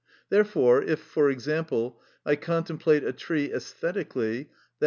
Therefore, if, for example, I contemplate a tree æsthetically, _i.